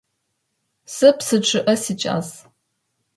Сэ псы чъыӏэ сикӏас.